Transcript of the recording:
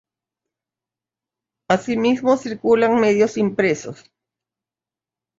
Así mismo circulan medios impresos.